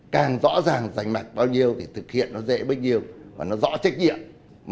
càng rõ ràng giành mặt bao nhiêu thì thực hiện nó dễ bất nhiêu và nó rõ trách nhiệm